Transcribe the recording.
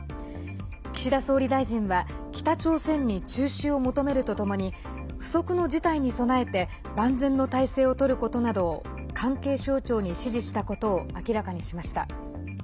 岸田総理大臣は北朝鮮に中止を求めるとともに不測の事態に備えて万全の体制をとることなどを関係省庁に指示したことを明らかにしました。